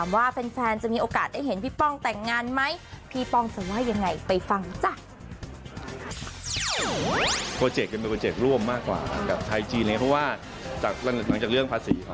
มันก็มีบ้างอย่างที่บอกมันต้องบารานซ์ระหว่าง